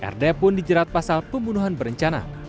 rd pun dijerat pasal pembunuhan berencana